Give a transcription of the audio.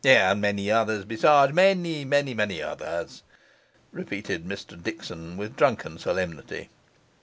And many others besides many, many, many others,' repeated Mr Dickson, with drunken solemnity.